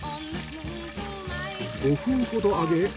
５分ほど揚げ